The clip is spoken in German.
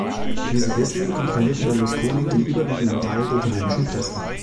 Wie Sie wissen, kontrolliert Berlusconi den überwiegenden Teil der italienischen Presse.